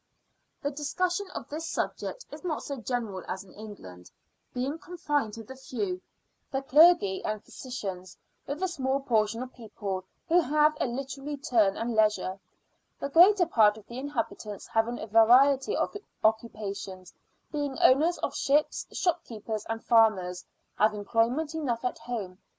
The discussion of this subject is not so general as in England, being confined to the few, the clergy and physicians, with a small portion of people who have a literary turn and leisure; the greater part of the inhabitants having a variety of occupations, being owners of ships, shopkeepers, and farmers, have employment enough at home.